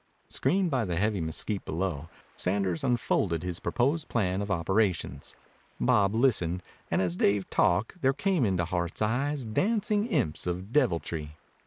Screened by the heavy mesquite below, Sanders unfolded his proposed plan of operations. Bob listened, and as Dave talked there came into Hart's eyes dancing imps of deviltry.